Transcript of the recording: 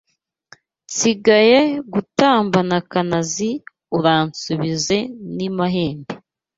Singaye gutambana Kanazi Uransubize n’i Mahembe